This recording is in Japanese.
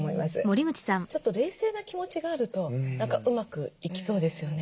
ちょっと冷静な気持ちがあると何かうまくいきそうですよね。